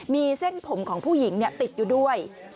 มีเส้นผมของผู้หญิงติดอยู่ด้วย